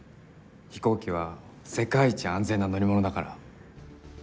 飛行機は世界一安全な乗り物だから。